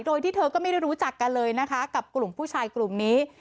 โดยที่เธอก็ไม่ได้รู้จักกันเลยนะคะกับกลุ่มผู้ชายกลุ่มนี้